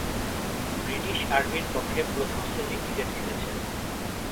British আর্মির পক্ষে প্রথম-শ্রেণীর ক্রিকেট খেলেছেন।